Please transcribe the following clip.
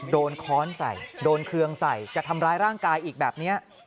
ค้อนใส่โดนเครื่องใส่จะทำร้ายร่างกายอีกแบบนี้